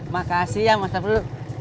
makasih ya mas pur